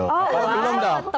oh belum dong